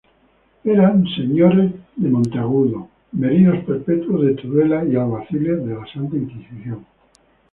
Eran señores de Monteagudo, merinos perpetuos de Tudela y alguaciles de la Santa Inquisición.